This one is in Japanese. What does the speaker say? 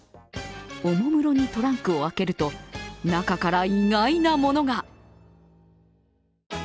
おもむろにトランクを開けると中から、意外なものが。